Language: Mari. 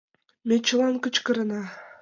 — Ме чылан кычкырена!..